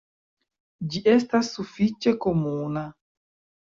Ĝi estas sufiĉe komuna.